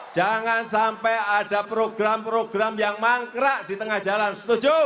jangan sampai ada program program yang mangkrak di tengah jalan setuju